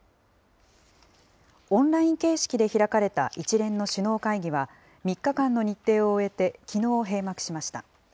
オンライン形式で開かれた一連の首脳会議は、３日間の日程を終えて、きのう閉幕しました。